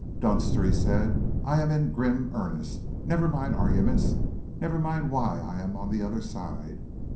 "Dunster," he said, "I am in grim earnest. Never mind arguments. Never mind why I am on the other side.